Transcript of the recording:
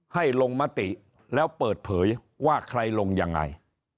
ให้ลงมติแล้วเปิดเผยว่าใครลงยังไง